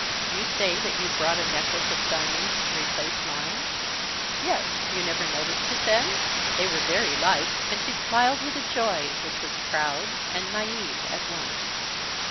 "You say that you bought a necklace of diamonds to replace mine?" "Yes. You never noticed it, then! They were very like." And she smiled with a joy which was proud and naïve at once.